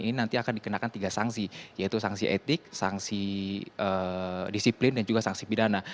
ini nanti akan dikenakan tiga sanksi yaitu sanksi etik sanksi disiplin dan juga sanksi pidana